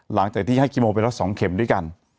หลังจากที่ให้คีโมไปแล้ว๒เข็มด้วยกัน